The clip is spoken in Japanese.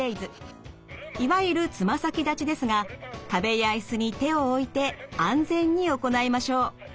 いわゆる爪先立ちですが壁や椅子に手を置いて安全に行いましょう。